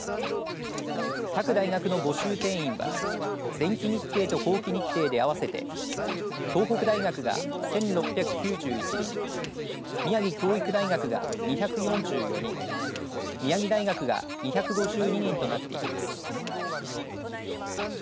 各大学の募集定員は前期日程と後期日程で合わせて東北大学が１６９１人宮城教育大学が２４４人宮城大学が２５２人となっています。